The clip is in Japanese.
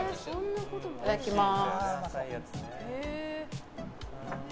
いただきます。